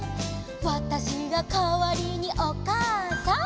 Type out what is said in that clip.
「わたしがかわりにおかあさん」